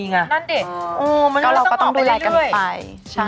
แล้วน้องคุณหมอกครับพอเวลาผมงอกแล้วเนี่ย